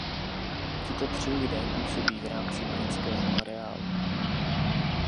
Tito tři lidé působí v rámci britského areálu.